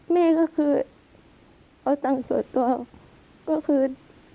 แม่ก็คือเอาตังค์ส่วนตัวก็คือ